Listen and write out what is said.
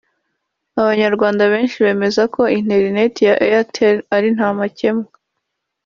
abanyarwanda benshi bemeje ko interineti ya Airtel ari nta makemwa